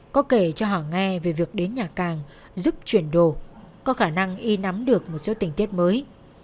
có kể cho họ nghe về việc đến nhà càng giúp chuyển đồ có khả năng y nắm được một số tình tiết mới